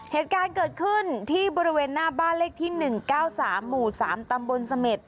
เหตุการณ์เกิดขึ้นที่บริเวณหน้าบ้านเลขที่๑๙๓หมู่๓ตำบลเสม็ด